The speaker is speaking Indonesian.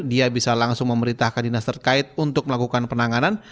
dia bisa langsung memerintahkan dinas terkait untuk melakukan penanganan